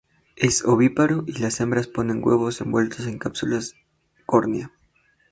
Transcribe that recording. Es ovíparo y las hembras ponen huevos envueltos en una cápsula córnea.